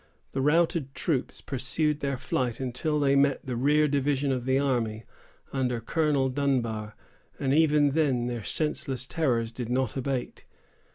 The routed troops pursued their flight until they met the rear division of the army, under Colonel Dunbar; and even then their senseless terrors did not abate.